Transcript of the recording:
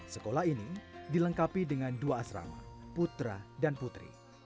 sekolah ini dilengkapi dengan dua asrama putra dan putri